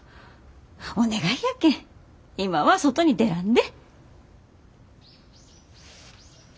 お願いやけん今は外に出らんで。